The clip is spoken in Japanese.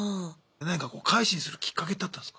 なんかこう改心するきっかけってあったんすか？